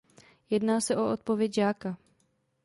Jedná se o odpověď žáka.